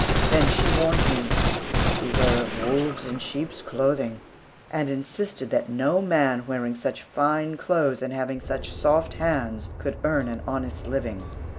Then she warned me, "Beware of wolves in sheep's clothing," and insisted that no man wearing such fine clothes and having such soft hands could earn an honest living.